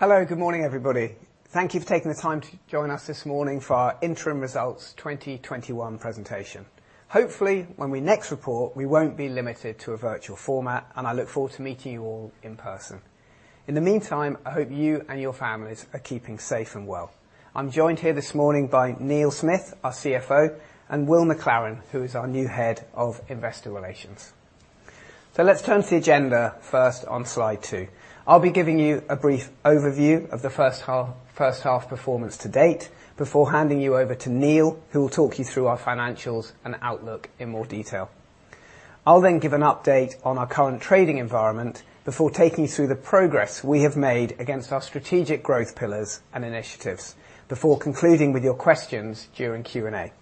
Hello. Good morning, everybody. Thank you for taking the time to join us this morning for our interim results 2021 presentation. Hopefully, when we next report, we won't be limited to a virtual format, and I look forward to meeting you all in person. In the meantime, I hope you and your families are keeping safe and well. I'm joined here this morning by Neil Smith, our CFO, and Will MacLaren, who is our new Head of Investor Relations. Let's turn to the agenda first on Slide two. I'll be giving you a brief overview of the first half performance to date before handing you over to Neil, who will talk you through our financials and outlook in more detail. I'll then give an update on our current trading environment before taking you through the progress we have made against our strategic growth pillars and initiatives, before concluding with your questions during Q&A.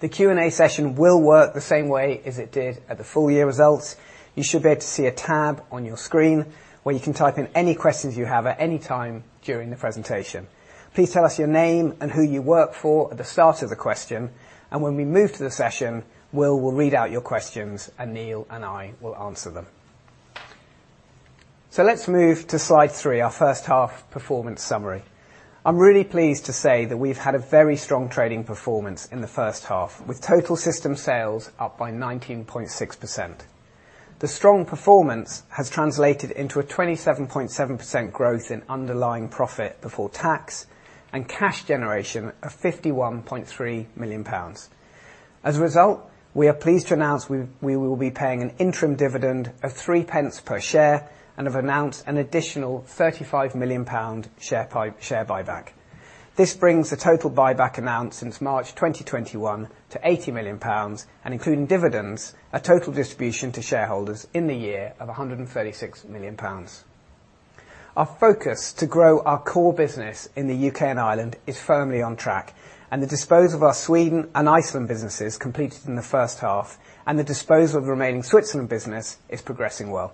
The Q&A session will work the same way as it did at the full-year results. You should be able to see a tab on your screen where you can type in any questions you have at any time during the presentation. Please tell us your name and who you work for at the start of the question, and when we move to the session, Will will read out your questions, and Neil and I will answer them. Let's move to Slide three, our first half performance summary. I'm really pleased to say that we've had a very strong trading performance in the first half, with total system sales up by 19.6%. The strong performance has translated into a 27.7% growth in underlying profit before tax and cash generation of 51.3 million pounds. As a result, we are pleased to announce we will be paying an interim dividend of 0.03 per share and have announced an additional 35 million pound share buyback. This brings the total buyback announced since March 2021 to 80 million pounds and, including dividends, a total distribution to shareholders in the year of 136 million pounds. Our focus to grow our core business in the UK and Ireland is firmly on track. The disposal of our Sweden and Iceland businesses completed in the first half. The disposal of the remaining Switzerland business is progressing well.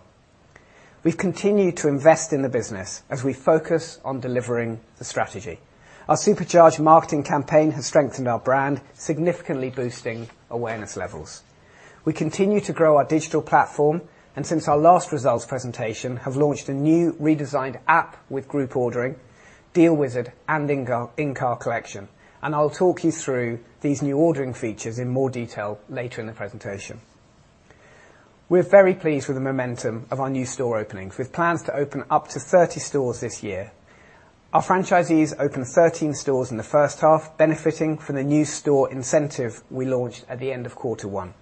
We've continued to invest in the business as we focus on delivering the strategy. Our Supercharge marketing campaign has strengthened our brand, significantly boosting awareness levels. We continue to grow our digital platform and, since our last results presentation, have launched a new redesigned app with group ordering, Deal Wizard, and In-Car Collection, and I'll talk you through these new ordering features in more detail later in the presentation. We're very pleased with the momentum of our new store openings. With plans to open up to 30 stores this year. Our franchisees opened 13 stores in the first half, benefiting from the new store incentive we launched at the end of quarter one.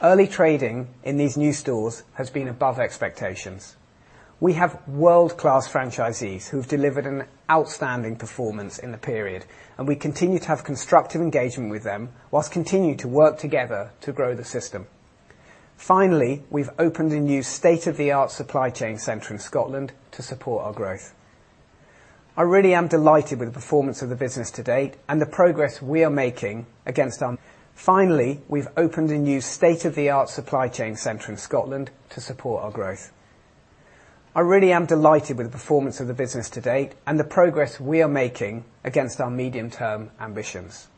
Early trading in these new stores has been above expectations. We have world-class franchisees who've delivered an outstanding performance in the period, and we continue to have constructive engagement with them whilst continue to work together to grow the system. Finally, we've opened a new state-of-the-art supply chain center in Scotland to support our growth. Finally, we've opened a new state-of-the-art supply chain center in Scotland to support our growth. I really am delighted with the performance of the business to date and the progress we are making against our medium-term ambitions.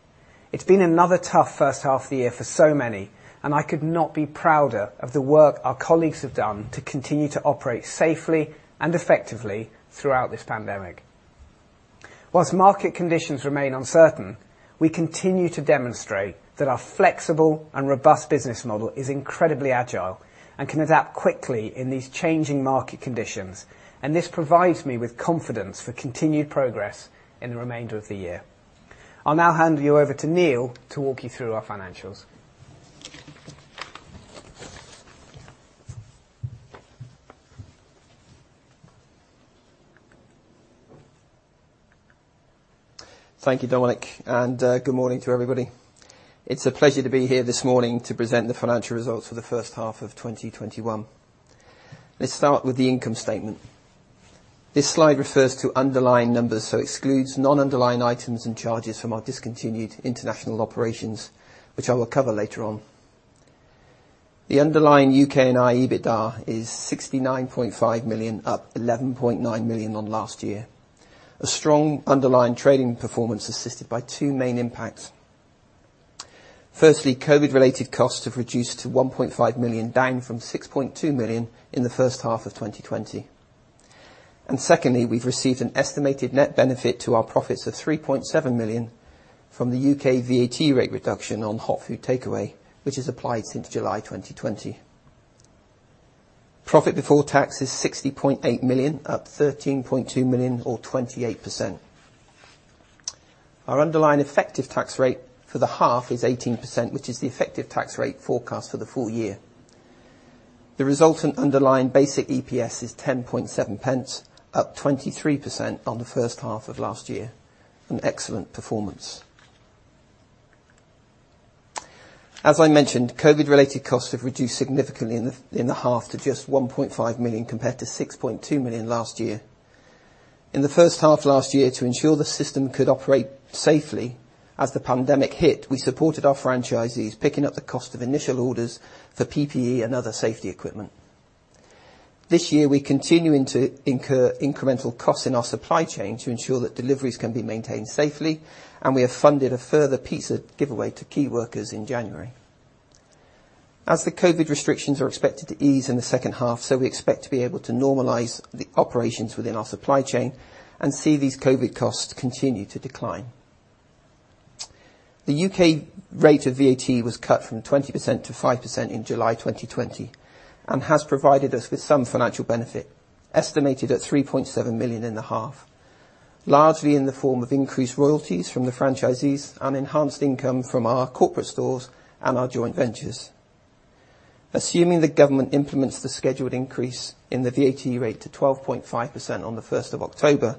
It's been another tough first half of the year for so many. I could not be prouder of the work our colleagues have done to continue to operate safely and effectively throughout this pandemic. Whilst market conditions remain uncertain, we continue to demonstrate that our flexible and robust business model is incredibly agile and can adapt quickly in these changing market conditions. This provides me with confidence for continued progress in the remainder of the year. I'll now hand you over to Neil to walk you through our financials. Thank you, Dominic, and good morning to everybody. It's a pleasure to be here this morning to present the financial results for the first half of 2021. Let's start with the income statement. This slide refers to underlying numbers, so excludes non-underlying items and charges from our discontinued international operations, which I will cover later on. The underlying U.K. and Ireland EBITDA is 69.5 million, up 11.9 million on last year, a strong underlying trading performance assisted by two main impacts. Firstly, COVID related costs have reduced to 1.5 million, down from 6.2 million in the first half of 2020. Secondly, we've received an estimated net benefit to our profits of 3.7 million from the U.K. VAT rate reduction on hot food takeaway, which is applied since July 2020. Profit before tax is 60.8 million, up 13.2 million or 28%. Our underlying effective tax rate for the half is 18%, which is the effective tax rate forecast for the full-year. The resultant underlying basic EPS is 0.107, up 23% on the first half of last year, an excellent performance. As I mentioned, COVID related costs have reduced significantly in the half to just 1.5 million compared to 6.2 million last year. In the first half of last year, to ensure the system could operate safely as the pandemic hit, we supported our franchisees, picking up the cost of initial orders for PPE and other safety equipment. This year, we continue to incur incremental costs in our supply chain to ensure that deliveries can be maintained safely. We have funded a further pizza giveaway to key workers in January. As the COVID restrictions are expected to ease in the second half, we expect to be able to normalize the operations within our supply chain and see these COVID costs continue to decline. The U.K. rate of VAT was cut from 20%-5% in July 2020 and has provided us with some financial benefit, estimated at 3.7 million in the half, largely in the form of increased royalties from the franchisees and enhanced income from our corporate stores and our joint ventures. Assuming the government implements the scheduled increase in the VAT rate to 12.5% on the 1st of October,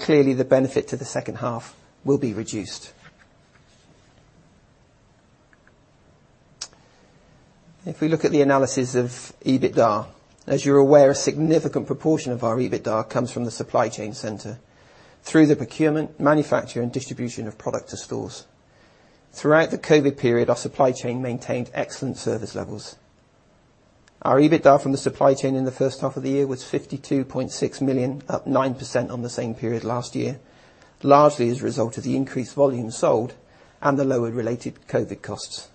clearly the benefit to the second half will be reduced. If we look at the analysis of EBITDA, as you're aware, a significant proportion of our EBITDA comes from the supply chain center through the procurement, manufacture, and distribution of product to stores. Throughout the COVID period, our supply chain maintained excellent service levels. Our EBITDA from the supply chain in the first half of the year was 52.6 million, up 9% on the same period last year, largely as a result of the increased volume sold and the lower related COVID costs.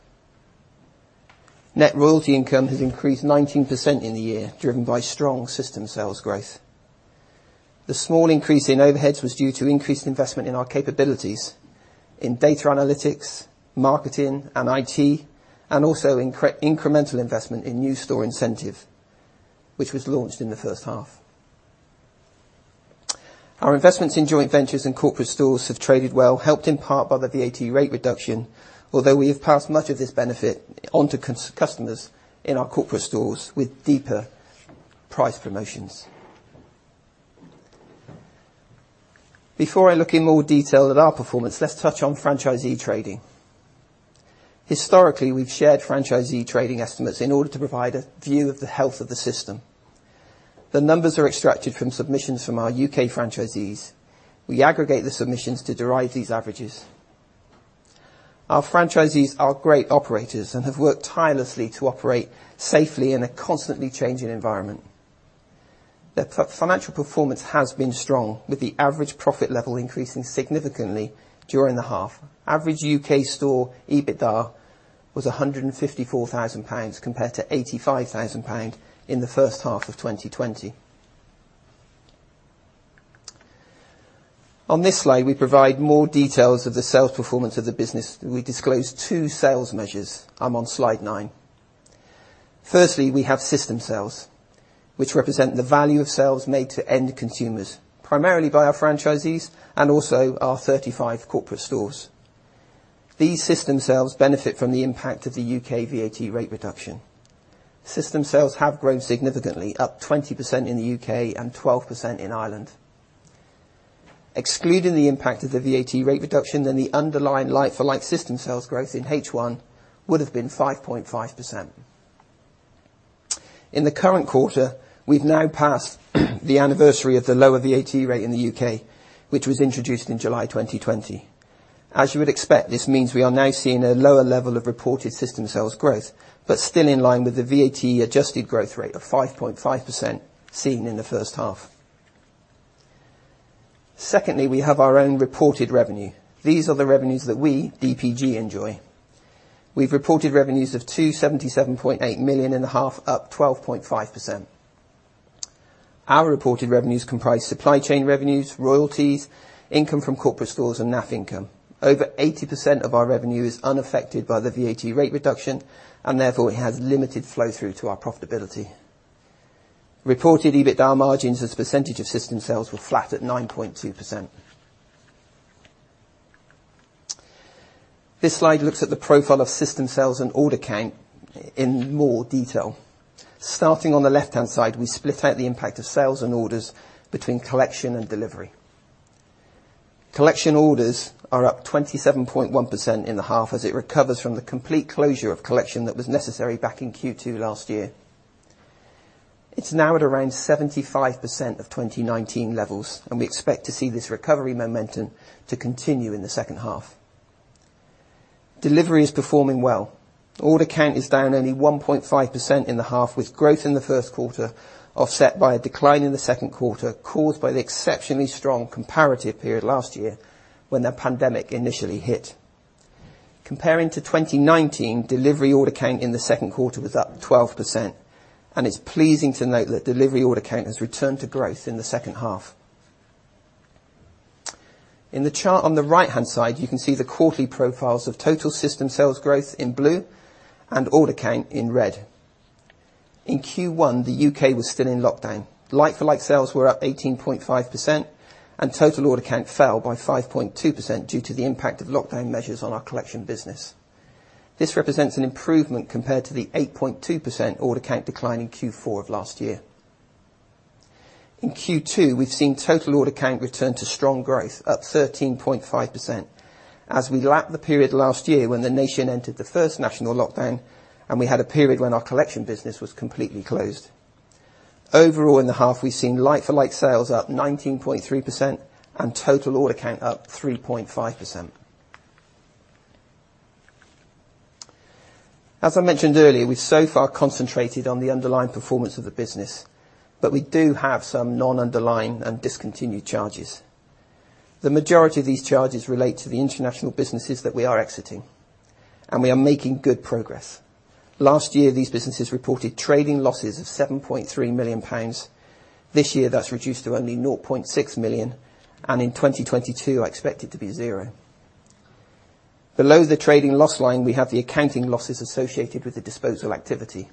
Net royalty income has increased 19% in the year, driven by strong system sales growth. The small increase in overheads was due to increased investment in our capabilities in data analytics, marketing, and IT, and also incremental investment in new store incentive, which was launched in the first half. Our investments in joint ventures and corporate stores have traded well, helped in part by the VAT rate reduction, although we have passed much of this benefit on to customers in our corporate stores with deeper price promotions. Before I look in more detail at our performance, let's touch on franchisee trading. Historically, we've shared franchisee trading estimates in order to provide a view of the health of the system. The numbers are extracted from submissions from our U.K. franchisees. We aggregate the submissions to derive these averages. Our franchisees are great operators and have worked tirelessly to operate safely in a constantly changing environment. Their financial performance has been strong, with the average profit level increasing significantly during the half. Average U.K. store EBITDA was 154,000 pounds compared to 85,000 pound in the first half of 2020. On this slide, we provide more details of the sales performance of the business. We disclose two sales measures. I'm on Slide nine. Firstly, we have system sales, which represent the value of sales made to end consumers, primarily by our franchisees and also our 35 corporate stores. These system sales benefit from the impact of the U.K. VAT rate reduction. System sales have grown significantly, up 20% in the U.K. and 12% in Ireland. Excluding the impact of the VAT rate reduction, the underlying like-for-like system sales growth in H1 would have been 5.5%. In the current quarter, we've now passed the anniversary of the lower VAT rate in the U.K., which was introduced in July 2020. As you would expect, this means we are now seeing a lower level of reported system sales growth, but still in line with the VAT-adjusted growth rate of 5.5% seen in the first half. Secondly, we have our own reported revenue. These are the revenues that we, DPG, enjoy. We've reported revenues of 277.8 million in the half, up 12.5%. Our reported revenues comprise supply chain revenues, royalties, income from corporate stores, and NAF income. Over 80% of our revenue is unaffected by the VAT rate reduction, and therefore it has limited flow-through to our profitability. Reported EBITDA margins as a percentage of system sales were flat at 9.2%. This slide looks at the profile of system sales and order count in more detail. Starting on the left-hand side, we split out the impact of sales and orders between collection and delivery. Collection orders are up 27.1% in the half as it recovers from the complete closure of collection that was necessary back in Q2 last year. It's now at around 75% of 2019 levels, and we expect to see this recovery momentum to continue in the second half. Delivery is performing well. Order count is down only 1.5% in the half, with growth in the first quarter offset by a decline in the second quarter caused by the exceptionally strong comparative period last year when the pandemic initially hit. Comparing to 2019, delivery order count in the second quarter was up 12%, and it's pleasing to note that delivery order count has returned to growth in the second half. In the chart on the right-hand side, you can see the quarterly profiles of total system sales growth in blue and order count in red. In Q1, the U.K. was still in lockdown. Like-for-like sales were up 18.5% and total order count fell by 5.2% due to the impact of lockdown measures on our collection business. This represents an improvement compared to the 8.2% order count decline in Q4 of last year. In Q2, we've seen total order count return to strong growth, up 13.5%, as we lap the period last year when the nation entered the first national lockdown and we had a period when our collection business was completely closed. Overall in the half, we've seen like-for-like sales up 19.3% and total order count up 3.5%. As I mentioned earlier, we've so far concentrated on the underlying performance of the business, but we do have some non-underlying and discontinued charges. The majority of these charges relate to the international businesses that we are exiting, and we are making good progress. Last year, these businesses reported trading losses of 7.3 million pounds. This year, that's reduced to only 0.6 million, and in 2022, I expect it to be zero. Below the trading loss line, we have the accounting losses associated with the disposal activity.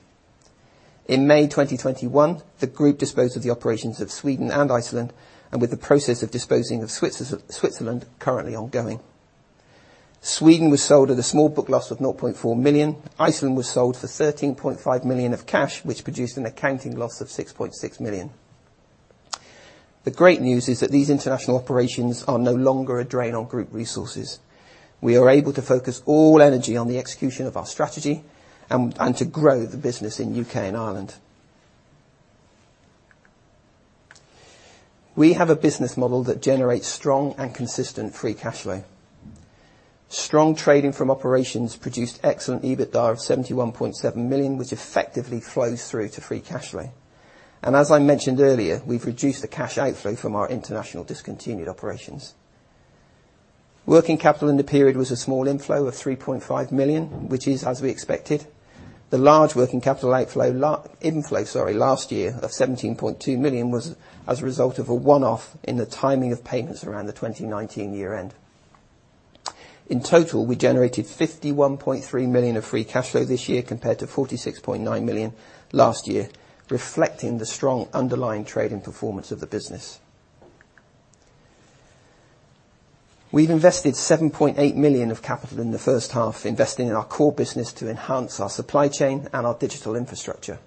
In May 2021, the group disposed of the operations of Sweden and Iceland, and with the process of disposing of Switzerland currently ongoing. Sweden was sold at a small book loss of 0.4 million. Iceland was sold for 13.5 million of cash, which produced an accounting loss of 6.6 million. The great news is that these international operations are no longer a drain on group resources. We are able to focus all energy on the execution of our strategy and to grow the business in U.K. and Ireland. We have a business model that generates strong and consistent free cash flow. Strong trading from operations produced excellent EBITDA of 71.7 million, which effectively flows through to free cash flow. As I mentioned earlier, we've reduced the cash outflow from our international discontinued operations. Working capital in the period was a small inflow of 3.5 million, which is as we expected. The large working capital outflow, inflow, sorry, last year, of 17.2 million, was as a result of a one-off in the timing of payments around the 2019 year end. In total, we generated 51.3 million of free cash flow this year compared to 46.9 million last year, reflecting the strong underlying trading performance of the business. We've invested 7.8 million of capital in the first half, investing in our core business to enhance our supply chain and our digital infrastructure.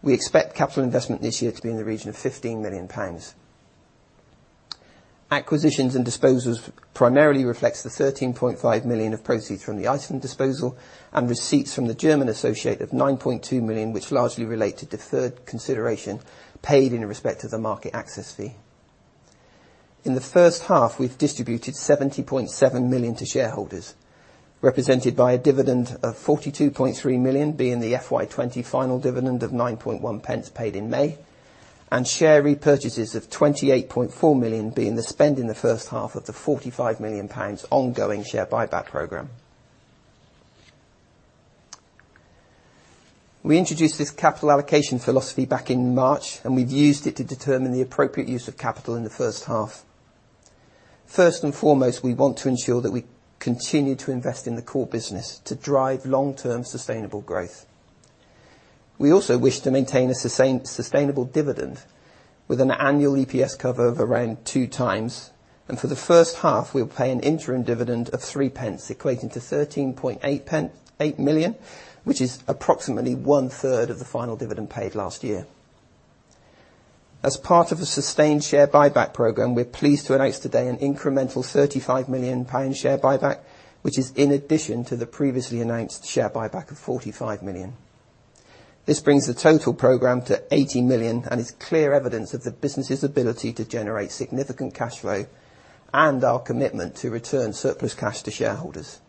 We expect capital investment this year to be in the region of 15 million pounds. Acquisitions and disposals primarily reflects the 13.5 million of proceeds from the Iceland disposal and receipts from the German associate of 9.2 million, which largely relate to deferred consideration paid in respect of the market access fee. In the first half, we've distributed 70.7 million to shareholders, represented by a dividend of 42.3 million, being the FY 2020 final dividend of 0.091 paid in May, and share repurchases of 28.4 million, being the spend in the first half of the 45 million pounds ongoing share buyback program. We introduced this capital allocation philosophy back in March. We've used it to determine the appropriate use of capital in the first half. First and foremost, we want to ensure that we continue to invest in the core business to drive long-term sustainable growth. We also wish to maintain a sustainable dividend with an annual EPS cover of around 2x. For the first half, we'll pay an interim dividend of 0.03, equating to 13.8 million, which is approximately 1/3 of the final dividend paid last year. As part of a sustained share buyback program, we're pleased to announce today an incremental GBP 35 million share buyback, which is in addition to the previously announced share buyback of GBP 45 million. This brings the total program to GBP 80 million and is clear evidence of the business' ability to generate significant free cash flow and our commitment to return surplus cash to shareholders.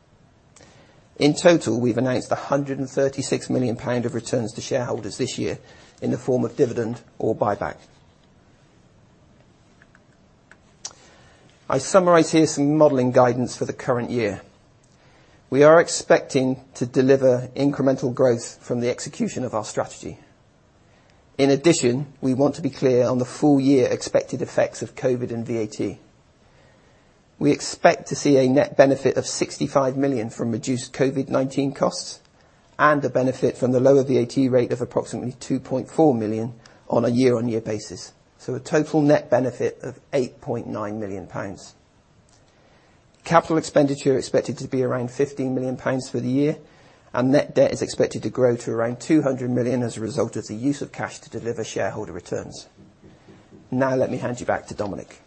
In total, we've announced 136 million pound of returns to shareholders this year in the form of dividend or buyback. I summarize here some modeling guidance for the current year. We want to be clear on the full-year expected effects of COVID and VAT. We expect to see a net benefit of 65 million from reduced COVID-19 costs and a benefit from the lower VAT rate of approximately 2.4 million on a year-on-year basis. A total net benefit of 8.9 million pounds. Capital expenditure expected to be around 15 million pounds for the year, and net debt is expected to grow to around 200 million as a result of the use of cash to deliver shareholder returns. Let me hand you back to Dominic.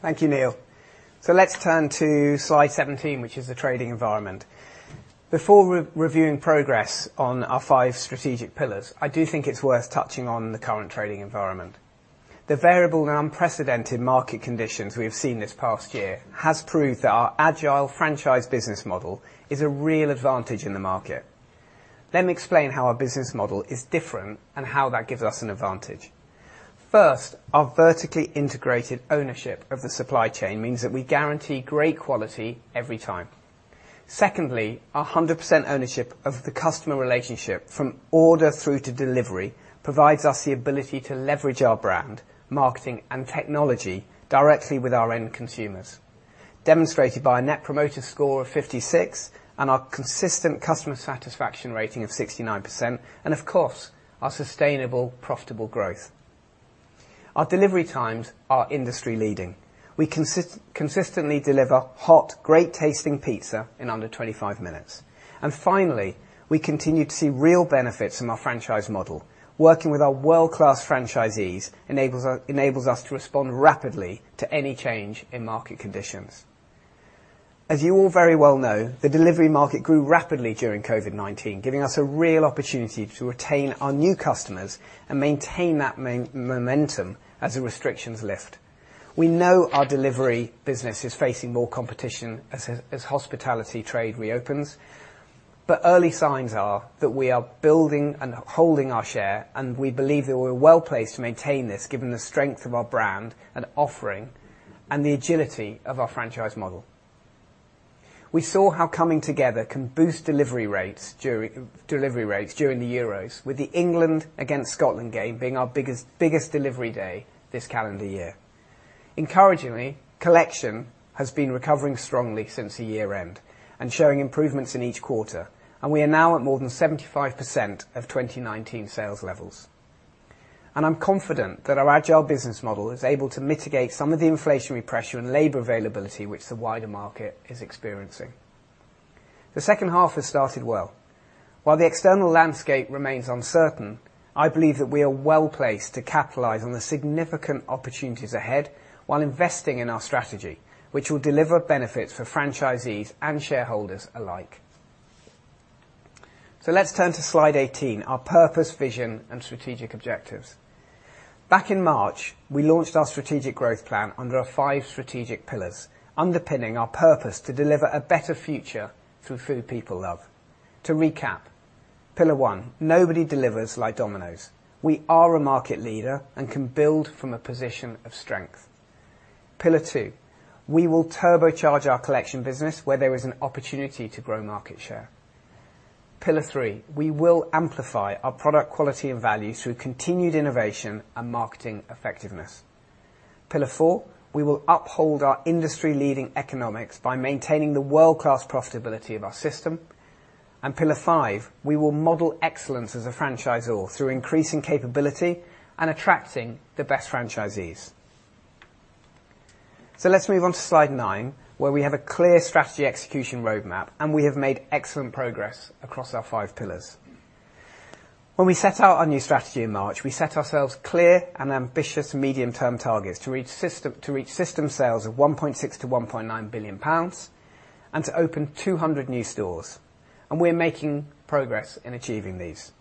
Thank you, Neil. Let's turn to Slide 17, which is the trading environment. Before reviewing progress on our five strategic pillars, I do think it's worth touching on the current trading environment. The variable and unprecedented market conditions we have seen this past year has proved that our agile franchise business model is a real advantage in the market. Let me explain how our business model is different and how that gives us an advantage. First, our vertically integrated ownership of the supply chain means that we guarantee great quality every time. Secondly, 100% ownership of the customer relationship from order through to delivery provides us the ability to leverage our brand, marketing, and technology directly with our end consumers, demonstrated by a Net Promoter Score of 56 and our consistent customer satisfaction rating of 69%, and of course, our sustainable, profitable growth. Our delivery times are industry leading. We consistently deliver hot, great-tasting pizza in under 25 minutes. Finally, we continue to see real benefits from our franchise model. Working with our world-class franchisees enables us to respond rapidly to any change in market conditions. As you all very well know, the delivery market grew rapidly during COVID-19, giving us a real opportunity to retain our new customers and maintain that momentum as the restrictions lift. We know our delivery business is facing more competition as hospitality trade reopens. Early signs are that we are building and holding our share, and we believe that we're well-placed to maintain this given the strength of our brand and offering and the agility of our franchise model. We saw how coming together can boost delivery rates during the Euros, with the England against Scotland game being our biggest delivery day this calendar year. Encouragingly, collection has been recovering strongly since the year-end and showing improvements in each quarter. We are now at more than 75% of 2019 sales levels. I'm confident that our agile business model is able to mitigate some of the inflationary pressure and labor availability which the wider market is experiencing. The second half has started well. While the external landscape remains uncertain, I believe that we are well-placed to capitalize on the significant opportunities ahead while investing in our strategy, which will deliver benefits for franchisees and shareholders alike. Let's turn to Slide 18, our purpose, vision, and strategic objectives. Back in March, we launched our strategic growth plan under our five strategic pillars, underpinning our purpose to deliver a better future through food people love. To recap, pillar one, nobody delivers like Domino's. We are a market leader and can build from a position of strength. Pillar two, we will turbocharge our collection business where there is an opportunity to grow market share. Pillar three, we will amplify our product quality and value through continued innovation and marketing effectiveness. Pillar four, we will uphold our industry-leading economics by maintaining the world-class profitability of our system. Pillar five, we will model excellence as a franchisor through increasing capability and attracting the best franchisees. Let's move on to Slide nine, where we have a clear strategy execution roadmap, and we have made excellent progress across our five pillars. When we set out our new strategy in March, we set ourselves clear and ambitious medium-term targets to reach system sales of 1.6 billion-1.9 billion pounds and to open 200 new stores, and we're making progress in achieving these.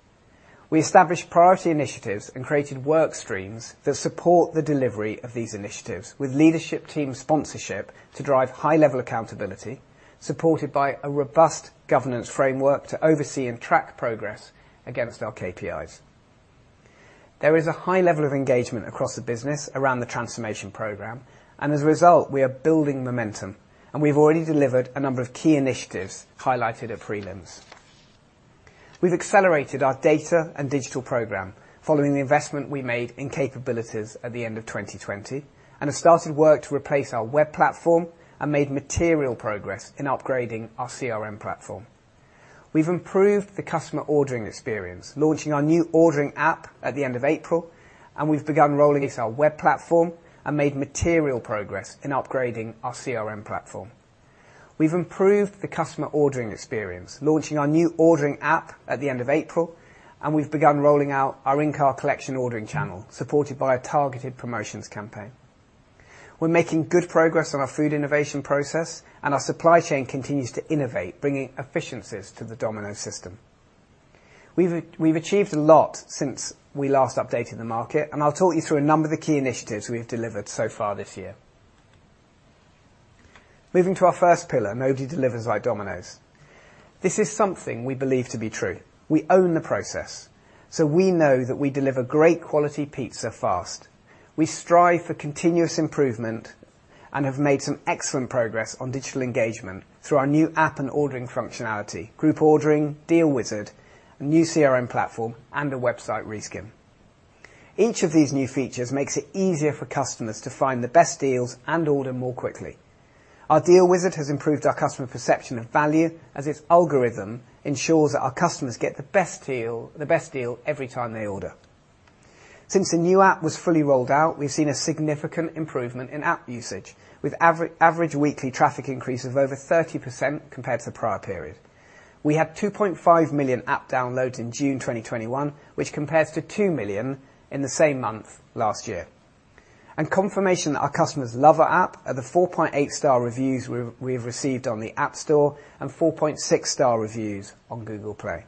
We established priority initiatives and created work streams that support the delivery of these initiatives with leadership team sponsorship to drive high level accountability, supported by a robust governance framework to oversee and track progress against our KPIs. There is a high level of engagement across the business around the transformation program, and as a result, we are building momentum, and we've already delivered a number of key initiatives highlighted at prelims. We've accelerated our data and digital program following the investment we made in capabilities at the end of 2020 and have started work to replace our web platform and made material progress in upgrading our CRM platform. We've improved the customer ordering experience, launching our new ordering app at the end of April, and we've begun our web platform, and made material progress in upgrading our CRM platform. We've improved the customer ordering experience, launching our new ordering app at the end of April, and we've begun rolling out our In-Car Collection ordering channel, supported by a targeted promotions campaign. We're making good progress on our food innovation process, and our supply chain continues to innovate, bringing efficiencies to the Domino's system. We've achieved a lot since we last updated the market, and I'll talk you through a number of the key initiatives we have delivered so far this year. Moving to our first pillar, nobody delivers like Domino's. This is something we believe to be true. We own the process, so we know that we deliver great quality pizza fast. We strive for continuous improvement and have made some excellent progress on digital engagement through our new app and ordering functionality, group ordering, Deal Wizard, a new CRM platform, and a website reskin. Each of these new features makes it easier for customers to find the best deals and order more quickly. Our Deal Wizard has improved our customer perception of value, as its algorithm ensures that our customers get the best deal every time they order. Since the new app was fully rolled out, we've seen a significant improvement in app usage, with average weekly traffic increases of over 30% compared to the prior period. We have 2.5 million app downloads in June 2021, which compares to 2 million in the same month last year. Confirmation that our customers love our app are the 4.8 star reviews we've received on the App Store and 4.6 star reviews on Google Play.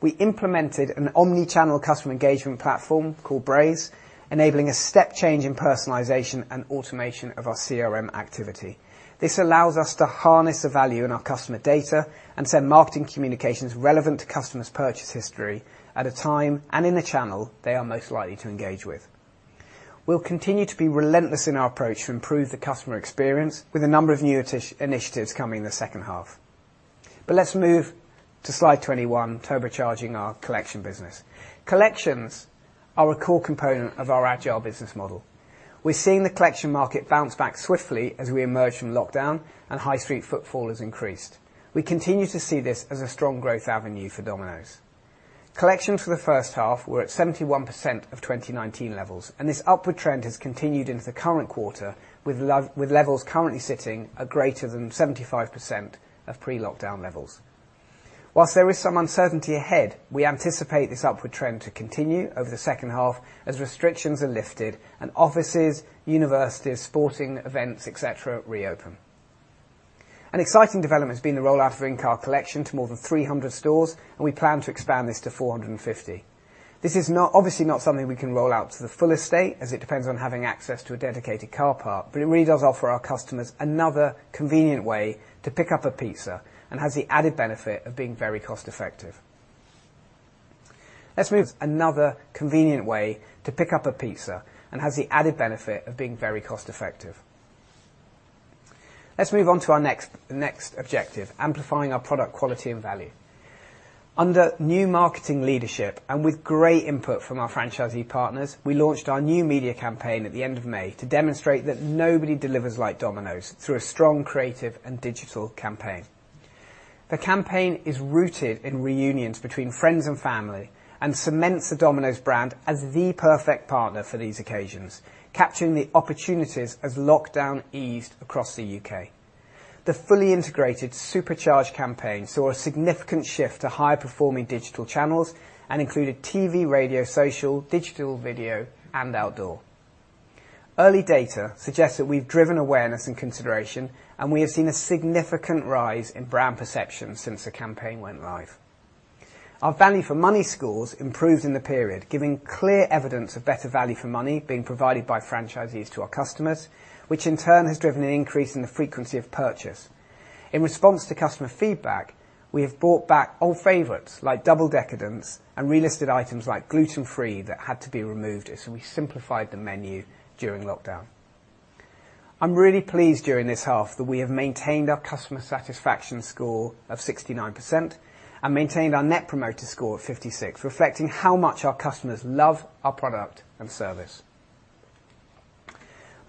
We implemented an omni-channel customer engagement platform called Braze, enabling a step change in personalization and automation of our CRM activity. This allows us to harness the value in our customer data and send marketing communications relevant to customers' purchase history at a time and in a channel they are most likely to engage with. We'll continue to be relentless in our approach to improve the customer experience with a number of new initiatives coming in the second half. Let's move to Slide 21, turbocharging our collection business. Collections are a core component of our agile business model. We're seeing the collection market bounce back swiftly as we emerge from lockdown and high street footfall has increased. We continue to see this as a strong growth avenue for Domino's. Collections for the first half were at 71% of 2019 levels, and this upward trend has continued into the current quarter with levels currently sitting at greater than 75% of pre-lockdown levels. Whilst there is some uncertainty ahead, we anticipate this upward trend to continue over the second half as restrictions are lifted and offices, universities, sporting events, et cetera, reopen. An exciting development has been the rollout of In-Car Collection to more than 300 stores. We plan to expand this to 450. This is obviously not something we can roll out to the full estate, as it depends on having access to a dedicated car park. It really does offer our customers another convenient way to pick up a pizza, and has the added benefit of being very cost-effective. Let's move on to our next objective, amplifying our product quality and value. Under new marketing leadership, and with great input from our franchisee partners, we launched our new media campaign at the end of May to demonstrate that nobody delivers like Domino's, through a strong creative and digital campaign. The campaign is rooted in reunions between friends and family, and cements the Domino's brand as the perfect partner for these occasions, capturing the opportunities as lockdown eased across the U.K. The fully integrated supercharged campaign saw a significant shift to high performing digital channels, and included TV, radio, social, digital video, and outdoor. Early data suggests that we've driven awareness and consideration, and we have seen a significant rise in brand perception since the campaign went live. Our value for money scores improved in the period, giving clear evidence of better value for money being provided by franchisees to our customers, which in turn has driven an increase in the frequency of purchase. In response to customer feedback, we have brought back old favorites like Double Decadence and relisted items like gluten-free that had to be removed as we simplified the menu during lockdown. I'm really pleased during this half that we have maintained our customer satisfaction score of 69% and maintained our Net Promoter Score of 56, reflecting how much our customers love our product and service.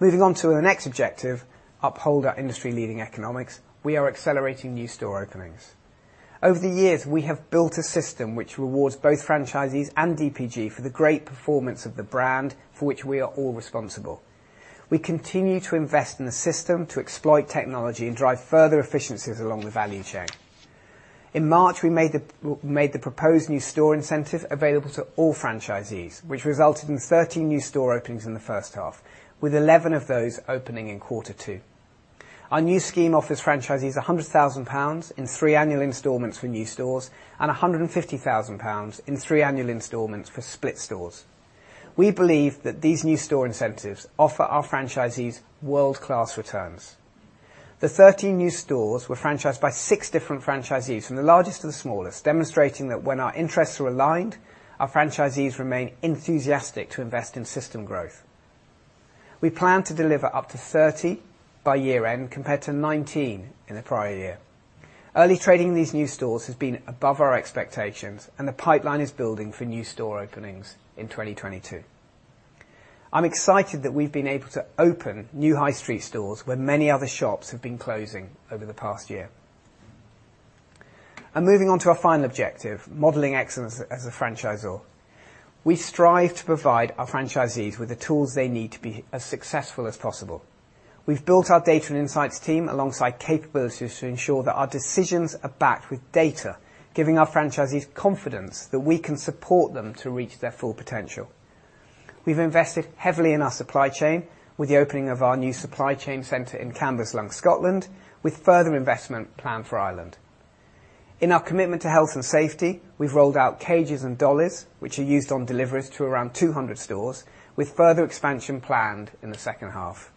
Moving on to the next objective, uphold our industry leading economics, we are accelerating new store openings. Over the years, we have built a system which rewards both franchisees and DPG for the great performance of the brand for which we are all responsible. We continue to invest in the system to exploit technology and drive further efficiencies along the value chain. In March, we made the proposed new store incentive available to all franchisees, which resulted in 13 new store openings in the first half, with 11 of those opening in quarter two. Our new scheme offers franchisees 100,000 pounds in three annual installments for new stores, and 150,000 pounds in three annual installments for split stores. We believe that these new store incentives offer our franchisees world-class returns. The 13 new stores were franchised by six different franchisees from the largest to the smallest, demonstrating that when our interests are aligned, our franchisees remain enthusiastic to invest in system growth. We plan to deliver up to 30 by year-end, compared to 19 in the prior year. Early trading in these new stores has been above our expectations. The pipeline is building for new store openings in 2022. I'm excited that we've been able to open new high street stores when many other shops have been closing over the past year. Moving on to our final objective, modeling excellence as a franchisor. We strive to provide our franchisees with the tools they need to be as successful as possible. We've built our data and insights team alongside capabilities to ensure that our decisions are backed with data, giving our franchisees confidence that we can support them to reach their full potential. We've invested heavily in our supply chain, with the opening of our new supply chain center in Cambuslang, Scotland, with further investment planned for Ireland. In our commitment to health and safety, we've rolled out cages and dollies, which are used on deliveries to around 200 stores, with further expansion planned in the second half.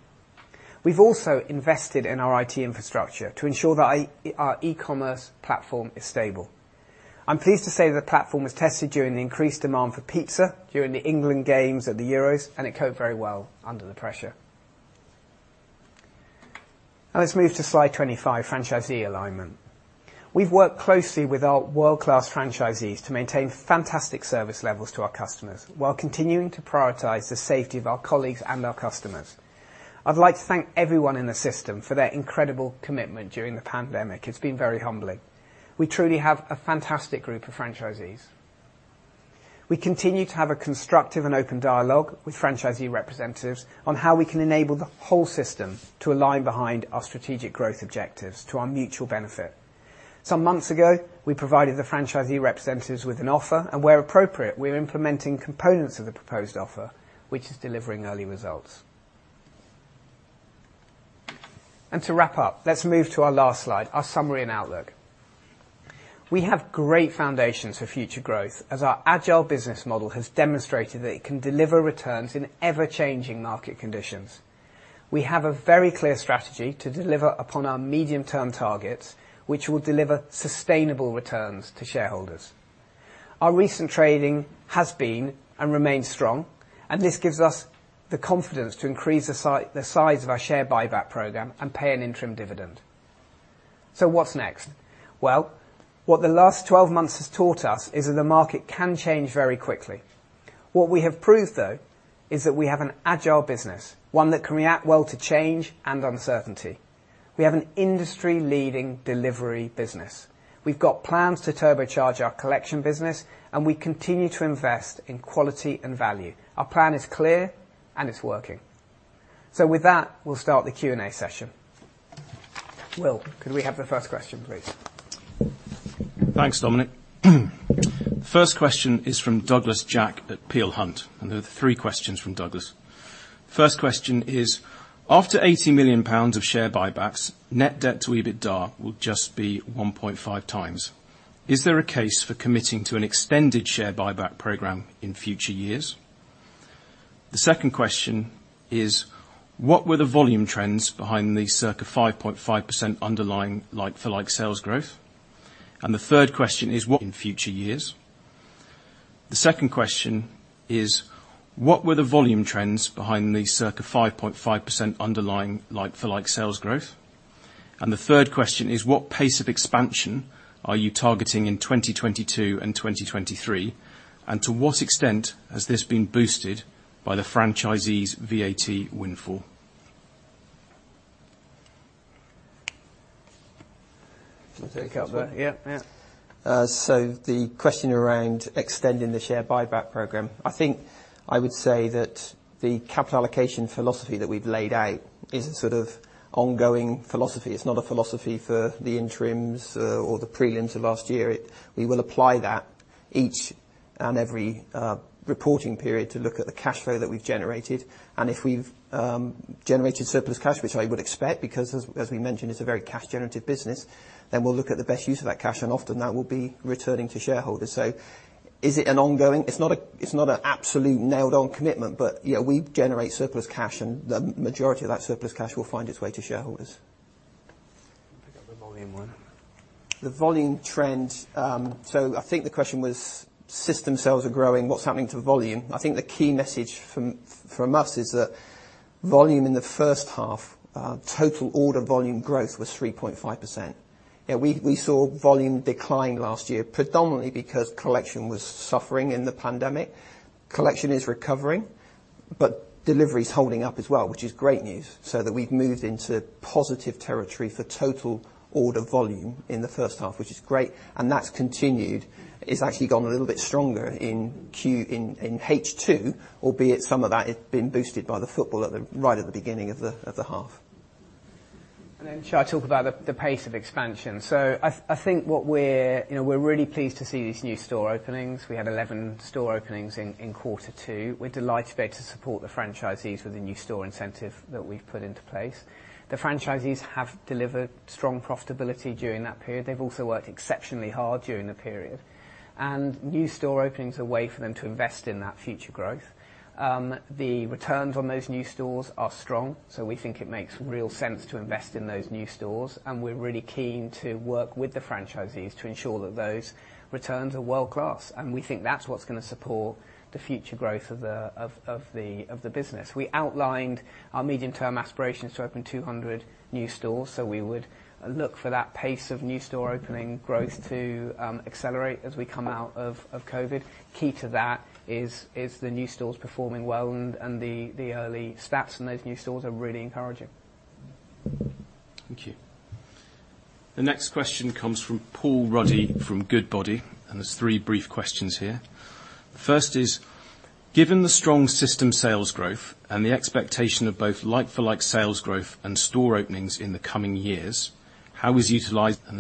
We've also invested in our IT infrastructure to ensure that our e-commerce platform is stable. I'm pleased to say the platform was tested during the increased demand for pizza during the England games at the Euros, and it coped very well under the pressure. Let's move to Slide 25, franchisee alignment. We've worked closely with our world-class franchisees to maintain fantastic service levels to our customers, while continuing to prioritize the safety of our colleagues and our customers. I'd like to thank everyone in the system for their incredible commitment during the pandemic. It's been very humbling. We truly have a fantastic group of franchisees. We continue to have a constructive and open dialogue with franchisee representatives on how we can enable the whole system to align behind our strategic growth objectives to our mutual benefit. Some months ago, we provided the franchisee representatives with an offer, and where appropriate, we are implementing components of the proposed offer, which is delivering early results. To wrap up, let's move to our last slide, our summary and outlook. We have great foundations for future growth, as our agile business model has demonstrated that it can deliver returns in ever-changing market conditions. We have a very clear strategy to deliver upon our medium term targets, which will deliver sustainable returns to shareholders. Our recent trading has been and remains strong, and this gives us the confidence to increase the size of our share buyback program and pay an interim dividend. What's next? Well, what the last 12 months has taught us is that the market can change very quickly. What we have proved, though, is that we have an agile business, one that can react well to change and uncertainty. We have an industry leading delivery business. We've got plans to turbocharge our collection business, and we continue to invest in quality and value. Our plan is clear and it's working. With that, we'll start the Q&A session. Will, could we have the first question, please? Thanks, Dominic. First question is from Douglas Jack at Peel Hunt, there are three questions from Douglas. First question is, After 80 million pounds of share buybacks, net debt to EBITDA will just be 1.5x. Is there a case for committing to an extended share buyback program in future years?" The second question is, what were the volume trends behind the circa 5.5% underlying like-for-like sales growth? The third question is, what pace of expansion are you targeting in 2022 and 2023, and to what extent has this been boosted by the franchisees VAT windfall? Do you want to take that one? Sure. Yeah. The question around extending the share buyback program, I think I would say that the capital allocation philosophy that we've laid out is a sort of ongoing philosophy. It's not a philosophy for the interims or the prelim to last year. We will apply that each and every reporting period to look at the cash flow that we've generated and if we've generated surplus cash, which I would expect, because as we mentioned, it's a very cash generative business, we'll look at the best use of that cash, and often that will be returning to shareholders. It's not an absolute nailed on commitment, we generate surplus cash, and the majority of that surplus cash will find its way to shareholders. Pick up the volume one. The volume trends. I think the question was, system sales are growing, what's happening to volume? I think the key message from us is that volume in the first half, total order volume growth was 3.5%. We saw volume decline last year, predominantly because collection was suffering in the pandemic. Collection is recovering, Delivery is holding up as well, which is great news. That we've moved into positive territory for total order volume in the first half, which is great, and that's continued. It's actually gone a little bit stronger in H2, albeit some of that has been boosted by the football right at the beginning of the half. Shall I talk about the pace of expansion? I think we're really pleased to see these new store openings. We had 11 store openings in quarter two. We're delighted to be able to support the franchisees with the new store incentive that we've put into place. The franchisees have delivered strong profitability during that period. They've also worked exceptionally hard during the period. New store opening is a way for them to invest in that future growth. The returns on those new stores are strong, so we think it makes real sense to invest in those new stores, and we're really keen to work with the franchisees to ensure that those returns are world-class, and we think that's what's going to support the future growth of the business. We outlined our medium-term aspirations to open 200 new stores. We would look for that pace of new store opening growth to accelerate as we come out of COVID. Key to that is the new stores performing well and the early stats in those new stores are really encouraging. Thank you. The next question comes from Paul Ruddy from Goodbody. There are three brief questions here. The first is, given the strong system sales growth and the expectation of both like-for-like sales growth and store openings in the coming years, how is utilization looking?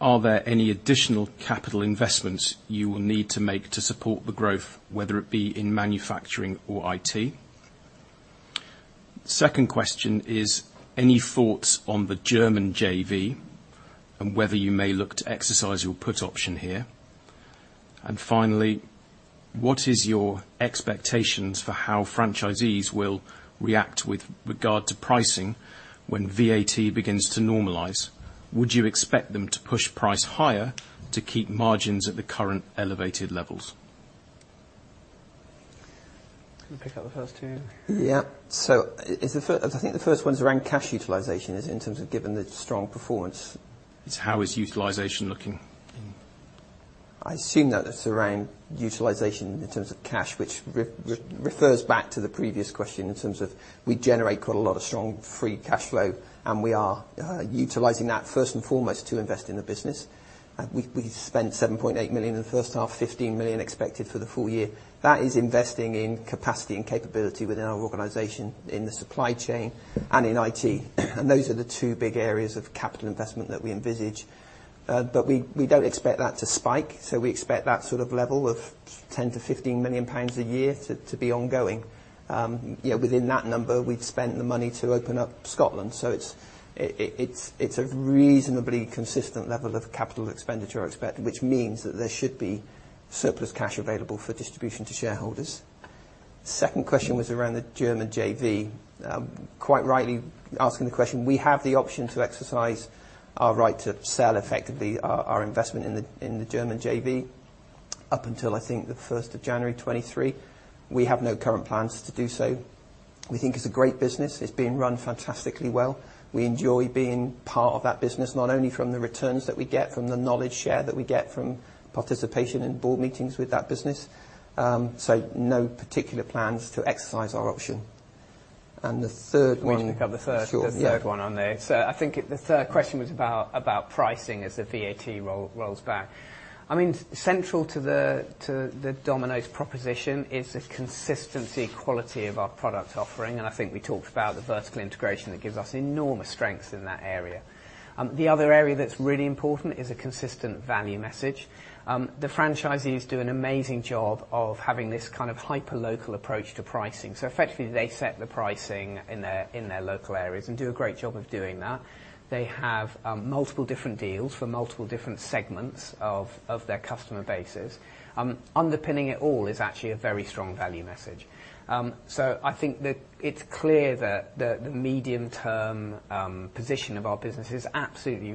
Are there any additional capital investments you will need to make to support the growth, whether it be in manufacturing or IT? Second question is, any thoughts on the German JV and whether you may look to exercise your put option here? Finally, what are your expectations for how franchisees will react with regard to pricing when VAT begins to normalize? Would you expect them to push price higher to keep margins at the current elevated levels? I'm going to pick up the first two. Yeah. I think the first one's around cash utilization is in terms of given the strong performance. It's how is utilization looking? I assume that it's around utilization in terms of cash, which refers back to the previous question in terms of we generate quite a lot of strong free cash flow, and we are utilizing that first and foremost to invest in the business. We spent 7.8 million in the first half, 15 million expected for the full-year. That is investing in capacity and capability within our organization, in the supply chain and in IT. Those are the two big areas of capital investment that we envisage. We don't expect that to spike. We expect that sort of level of 10 million-15 million pounds a year to be ongoing. Within that number, we've spent the money to open up Scotland. It's a reasonably consistent level of capital expenditure I expect, which means that there should be surplus cash available for distribution to shareholders. Second question was around the German JV. Quite rightly asking the question. We have the option to exercise our right to sell effectively our investment in the German JV up until I think the 1st of January 2023. We have no current plans to do so. We think it's a great business. It's being run fantastically well. We enjoy being part of that business, not only from the returns that we get, from the knowledge share that we get from participation in board meetings with that business. No particular plans to exercise our option. The third one. We can pick up the third one on there. Sure, yeah. I think the third question was about pricing as the VAT rolls back. Central to the Domino's proposition is the consistency, quality of our product offering, and I think we talked about the vertical integration that gives us enormous strengths in that area. The other area that's really important is a consistent value message. The franchisees do an amazing job of having this kind of hyper-local approach to pricing. Effectively, they set the pricing in their local areas and do a great job of doing that. They have multiple different deals for multiple different segments of their customer bases. Underpinning it all is actually a very strong value message. I think that it's clear that the medium-term position of our business is absolutely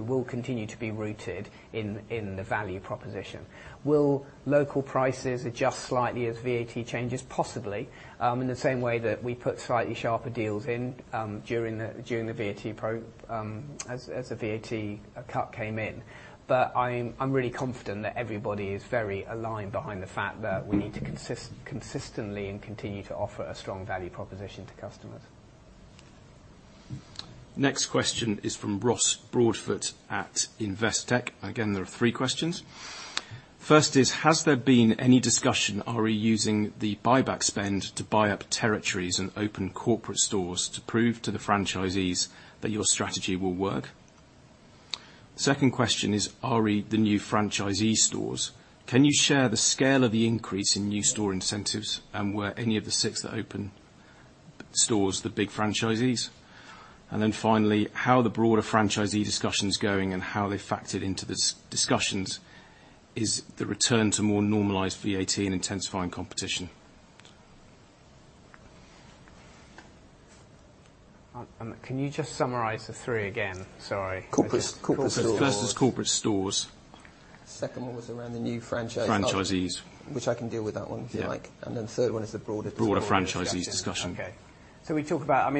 will continue to be rooted in the value proposition. Will local prices adjust slightly as VAT changes? Possibly, in the same way that we put slightly sharper deals in as the VAT cut came in. I'm really confident that everybody is very aligned behind the fact that we need to consistently, and continue to offer a strong value proposition to customers. Next question is from Ross Broadfoot at Investec. Again, there are three questions. First is, has there been any discussion re using the buyback spend to buy up territories and open corporate stores to prove to the franchisees that your strategy will work? Second question is, re the new franchisee stores, can you share the scale of the increase in new store incentives? Were any of the six that opened stores the big franchisees? Finally, how are the broader franchisee discussions going, and how they factored into the discussions, is the return to more normalized VAT and intensifying competition? Can you just summarize the three again? Sorry. Corporate stores. First is corporate stores. Second one was around the new franchise. Franchisees Which I can deal with that one if you like. Yeah. The third one is the broader discussion. Broader franchisee discussion. Okay. We talk about,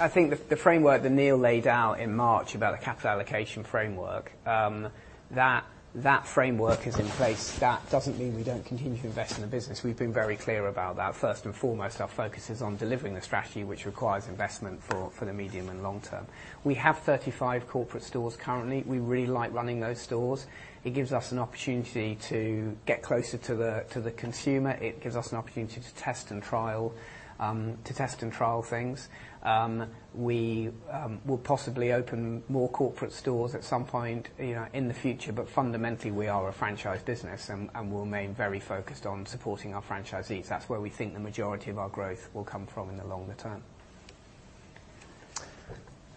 I think the framework that Neil Smith laid out in March about the capital allocation framework, that framework is in place. That doesn't mean we don't continue to invest in the business. We've been very clear about that. First and foremost, our focus is on delivering the strategy, which requires investment for the medium and long term. We have 35 corporate stores currently. We really like running those stores. It gives us an opportunity to get closer to the consumer. It gives us an opportunity to test and trial things. We will possibly open more corporate stores at some point in the future, fundamentally, we are a franchise business, and we'll remain very focused on supporting our franchisees. That's where we think the majority of our growth will come from in the longer-term.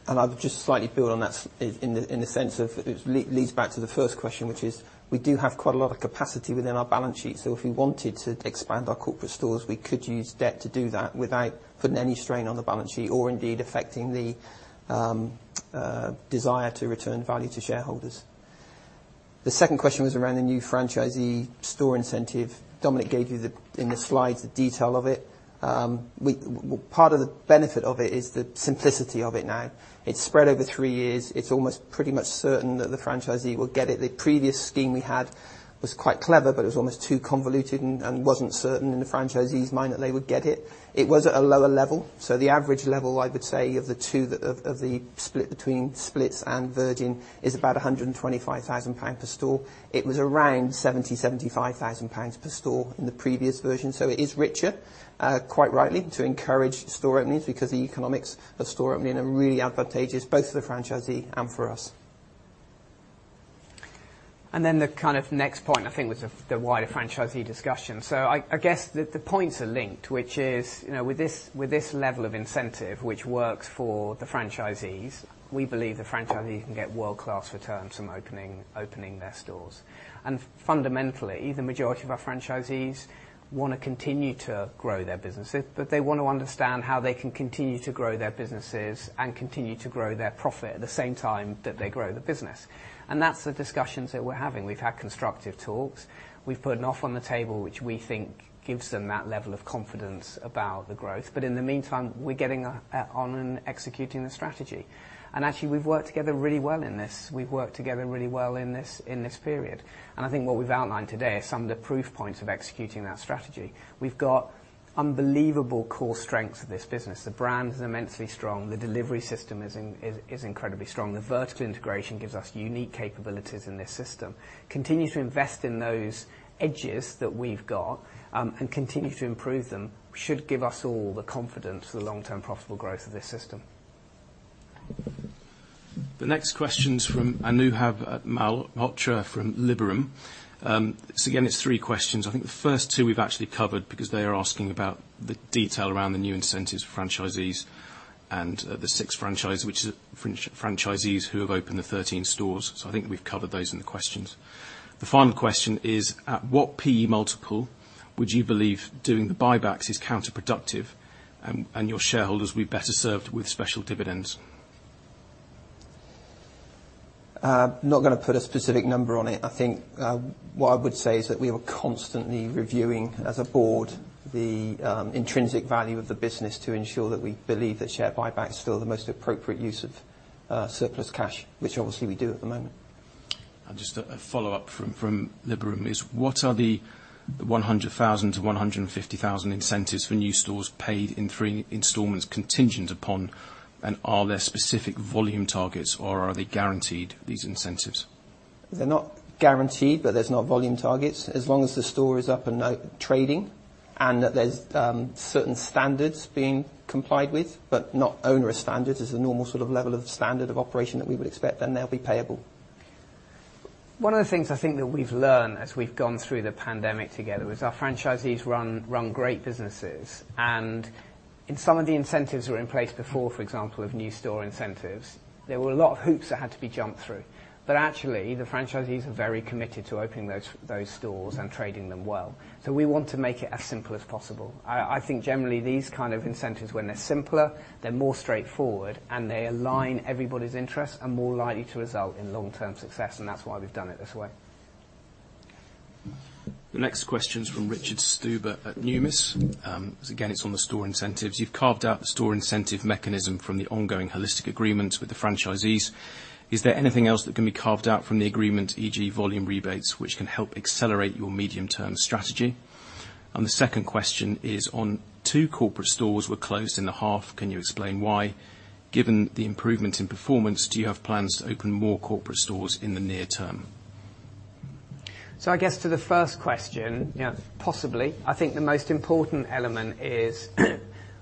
I'll just slightly build on that in the sense of, it leads back to the first question, which is, we do have quite a lot of capacity within our balance sheet. If we wanted to expand our corporate stores, we could use debt to do that without putting any strain on the balance sheet or indeed affecting the desire to return value to shareholders. The second question was around the new franchisee store incentive. Dominic gave you, in the slides, the detail of it. Part of the benefit of it is the simplicity of it now. It's spread over three years. It's almost pretty much certain that the franchisee will get it. The previous scheme we had was quite clever, but it was almost too convoluted and wasn't certain in the franchisee's mind that they would get it. It was at a lower level. The average level, I would say, of the split between splits and virgin is about 125,000 pounds per store. It was around 70,000-75,000 pounds per store in the previous version. It is richer, quite rightly, to encourage store openings, because the economics of store opening are really advantageous both for the franchisee and for us. The kind of next point, I think, was the wider franchisee discussion. I guess the points are linked, which is, with this level of incentive, which works for the franchisees, we believe the franchisee can get world-class returns from opening their stores. Fundamentally, the majority of our franchisees want to continue to grow their businesses, but they want to understand how they can continue to grow their businesses and continue to grow their profit at the same time that they grow the business. That's the discussions that we're having. We've had constructive talks. We've put an offer on the table, which we think gives them that level of confidence about the growth. In the meantime, we're getting on and executing the strategy. Actually, we've worked together really well in this. We've worked together really well in this period. I think what we've outlined today are some of the proof points of executing that strategy. We've got unbelievable core strengths of this business. The brand is immensely strong. The delivery system is incredibly strong. The vertical integration gives us unique capabilities in this system. Continue to invest in those edges that we've got, and continue to improve them, should give us all the confidence for the long-term profitable growth of this system. The next question's from Anubhav Malhotra from Liberum. Again, it's three questions. I think the first two we've actually covered, because they are asking about the detail around the new incentives for franchisees and the six franchisees who have opened the 13 stores. I think we've covered those in the questions. The final question is, at what PE multiple would you believe doing the buybacks is counterproductive, and your shareholders will be better served with special dividends? I'm not going to put a specific number on it. I think what I would say is that we are constantly reviewing, as a board, the intrinsic value of the business to ensure that we believe that share buybacks feel the most appropriate use of surplus cash, which obviously we do at the moment. Just a follow-up from Liberum is, what are the 100,000-150,000 incentives for new stores paid in three installments contingent upon? Are there specific volume targets, or are they guaranteed, these incentives? They're not guaranteed, but there's no volume targets. As long as the store is up and trading and that there's certain standards being complied with, but not onerous standards, there's a normal level of standard of operation that we would expect, then they'll be payable. One of the things I think that we've learned as we've gone through the pandemic together is our franchisees run great businesses. Some of the incentives were in place before, for example, of new store incentives. There were a lot of hoops that had to be jumped through. Actually, the franchisees are very committed to opening those stores and trading them well. We want to make it as simple as possible. I think generally, these kind of incentives, when they're simpler, they're more straightforward, and they align everybody's interests and more likely to result in long-term success, and that's why we've done it this way. The next question is from Richard Stuber at Numis. Again, it's on the store incentives. You've carved out the store incentive mechanism from the ongoing holistic agreements with the franchisees. Is there anything else that can be carved out from the agreement, e.g. volume rebates, which can help accelerate your medium-term strategy? The second question is on, two corporate stores were closed in the half, can you explain why? Given the improvement in performance, do you have plans to open more corporate stores in the near-term? I guess to the first question, possibly. I think the most important element is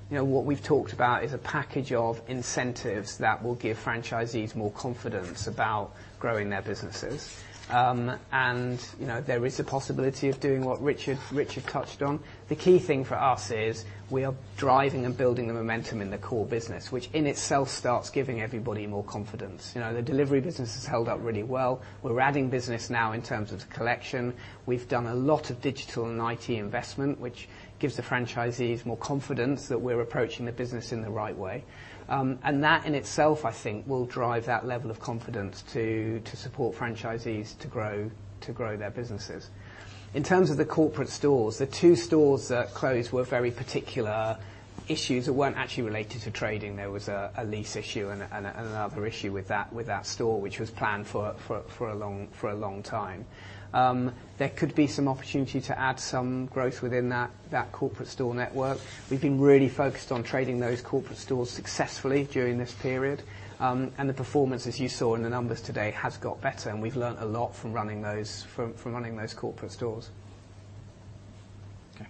what we've talked about is a package of incentives that will give franchisees more confidence about growing their businesses. There is a possibility of doing what Richard touched on. The key thing for us is we are driving and building the momentum in the core business, which in itself starts giving everybody more confidence. The delivery business has held up really well. We're adding business now in terms of collection. We've done a lot of digital and IT investment, which gives the franchisees more confidence that we're approaching the business in the right way. That in itself, I think, will drive that level of confidence to support franchisees to grow their businesses. In terms of the corporate stores, the two stores that closed were very particular issues that weren't actually related to trading. There was a lease issue and another issue with that store, which was planned for a long time. There could be some opportunity to add some growth within that corporate store network. We've been really focused on trading those corporate stores successfully during this period. The performance, as you saw in the numbers today, has got better, and we've learned a lot from running those corporate stores. Okay.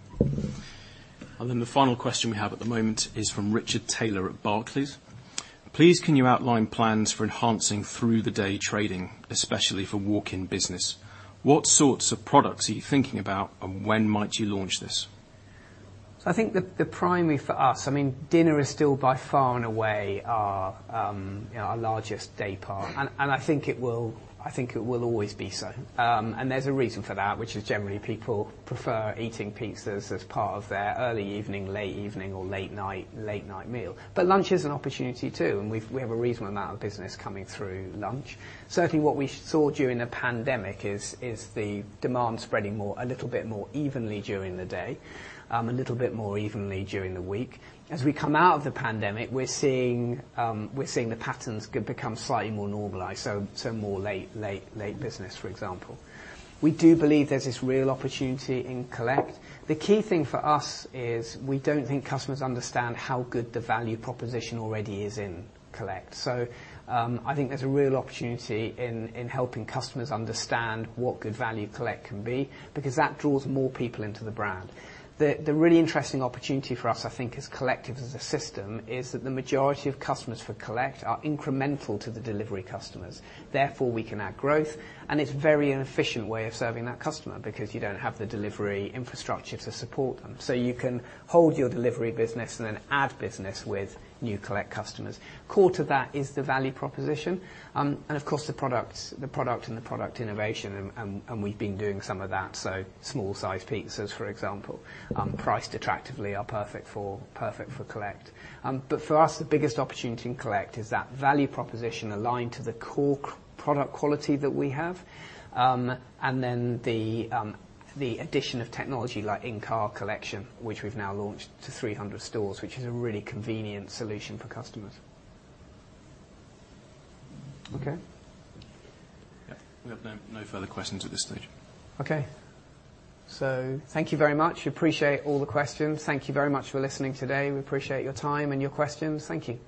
Then the final question we have at the moment is from Richard Taylor at Barclays. Please can you outline plans for enhancing through the day trading, especially for walk-in business? What sorts of products are you thinking about, and when might you launch this? I think the primary for us, dinner is still by far and away our largest daypart, and I think it will always be so. There's a reason for that, which is generally people prefer eating pizzas as part of their early evening, late evening or late night meal. Lunch is an opportunity, too, and we have a reasonable amount of business coming through lunch. Certainly what we saw during the pandemic is the demand spreading a little bit more evenly during the day, a little bit more evenly during the week. As we come out of the pandemic, we're seeing the patterns become slightly more normalized, so more late business, for example. We do believe there's this real opportunity in collect. The key thing for us is we don't think customers understand how good the value proposition already is in collect. I think there's a real opportunity in helping customers understand what good value collect can be, because that draws more people into the brand. The really interesting opportunity for us, I think, as collect as a system, is that the majority of customers for collect are incremental to the delivery customers. We can add growth, and it's a very inefficient way of serving that customer because you don't have the delivery infrastructure to support them. You can hold your delivery business and then add business with new collect customers. Core to that is the value proposition. Of course, the product and the product innovation, and we've been doing some of that, so small size pizzas, for example, priced attractively are perfect for collect. For us, the biggest opportunity in collect is that value proposition aligned to the core product quality that we have, and then the addition of technology like In-Car Collection, which we've now launched to 300 stores, which is a really convenient solution for customers. Okay? We have no further questions at this stage. Okay. Thank you very much. We appreciate all the questions. Thank you very much for listening today. We appreciate your time and your questions. Thank you.